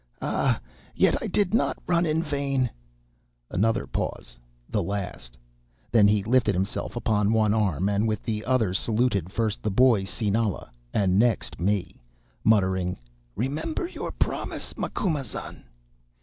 Ah! yet I did not run in vain.' (Another pause, the last.) Then he lifted himself upon one arm and with the other saluted, first the boy Sinala and next me, muttering, 'Remember your promise, Macumazahn.